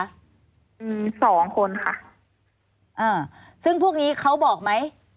อืมสองคนค่ะอ่าซึ่งพวกนี้เขาบอกไหม